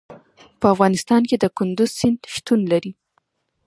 په افغانستان کې د کندز سیند شتون لري.